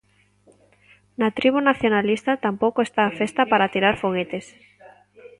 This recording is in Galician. Na tribo nacionalista tampouco está a festa para tirar foguetes.